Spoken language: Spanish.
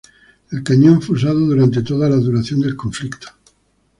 El cañón fue usado durante toda la duración del conflicto.